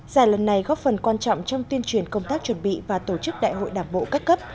giải lần này góp phần quan trọng trong tuyên truyền công tác chuẩn bị và tổ chức đại hội đảng bộ các cấp